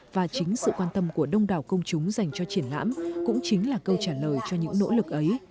và chính sự quan tâm của đông đảo công chúng dành cho triển lãm cũng chính là câu trả lời cho những nỗ lực ấy